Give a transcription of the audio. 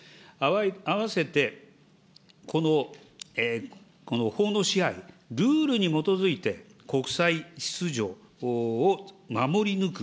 あわせて、この法の支配、ルールに基づいて国際秩序を守り抜く、